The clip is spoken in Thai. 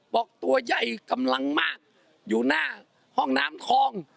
บอกตัวใหญ่กำลังมากอยู่หน้าห้องน้ำคลอง